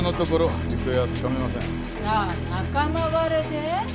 じゃあ仲間割れで？